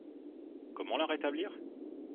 Comment la rétablir?